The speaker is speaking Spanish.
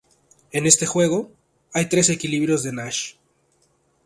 En este juego, hay tres equilibrios de Nash.